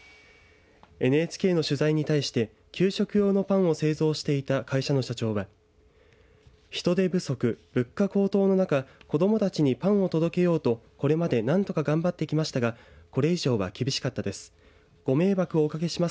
ＮＨＫの取材に対して給食用のパンを製造していた会社の社長は人手不足、物価高騰の中子どもたちにパンを届けようとこれまで何とか頑張ってきましたがこれ以上は厳しかったです。